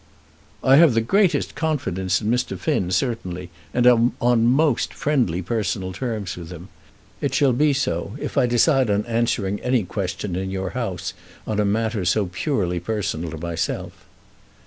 "I have the greatest confidence in Mr. Finn, certainly, and am on most friendly personal terms with him. It shall be so, if I decide on answering any question in your House on a matter so purely personal to myself."